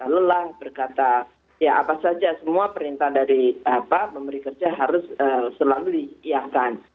lelah berkata ya apa saja semua perintah dari bapak memberi kerja harus selalu diiakan